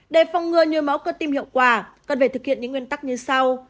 để phòng ngừa nhồi máu cơ tim hiệu quả cần phải thực hiện những nguyên tắc như sau